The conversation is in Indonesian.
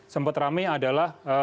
sempat rame adalah